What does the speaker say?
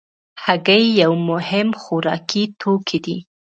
هګۍ یو مهم خوراکي توکی دی.